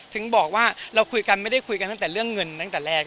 ถึงบอกว่าเราคุยกันไม่ได้คุยกันตั้งแต่เรื่องเงินตั้งแต่แรก